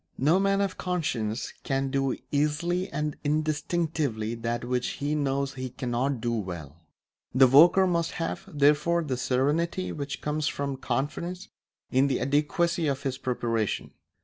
No man of conscience can do easily and instinctively that which he knows he cannot do well. The worker must have, therefore, the serenity which comes from confidence in the adequacy of his preparation.